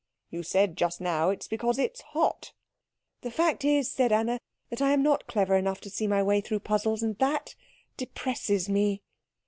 "You said just now it is because it is hot." "The fact is," said Anna, "that I am not clever enough to see my way through puzzles. And that depresses me."